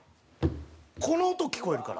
この音聞こえるから。